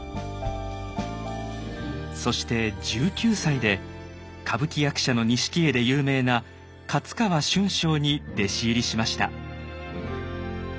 そして１９歳で歌舞伎役者の錦絵で有名な勝川春章に弟子入りしました。